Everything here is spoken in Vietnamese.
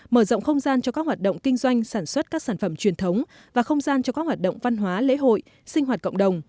mở rộng không gian cho các hoạt động kinh doanh sản xuất các sản phẩm truyền thống và không gian cho các hoạt động văn hóa lễ hội sinh hoạt cộng đồng